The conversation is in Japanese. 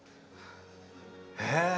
へえ！